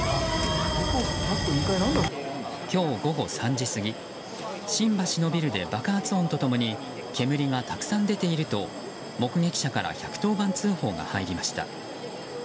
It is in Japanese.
今日午後３時過ぎ新橋のビルで爆発音と共に煙がたくさん出ていると目撃者から１１０番通報が入りました。